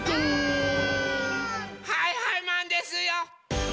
はいはいマンですよ！